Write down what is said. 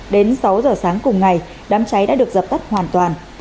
đến sáu giờ sáng cùng ngày đám cháy đã được dập tắt hoàn toàn